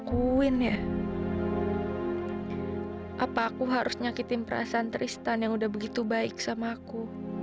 kamu mau gak pi jadi pacar aku